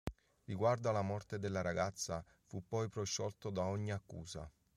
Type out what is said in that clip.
Riguardo alla morte della ragazza, fu poi prosciolto da ogni accusa.